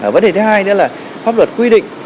vấn đề thứ hai nữa là pháp luật quy định